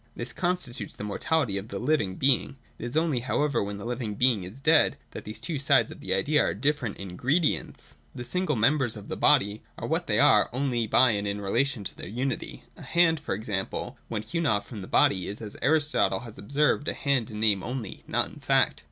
This constitutes the mortality of the living being; It is only, however, when the living being is dead, that these two sides of the idea are different ingredients. The single members of the body are what they are only by and in relation to their unity. A hand e.g. when hewn off from the body is, as Aristotle has observed, a hand in name only, not in fact.